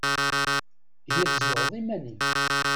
Ihi tzedɣeḍ iman-im?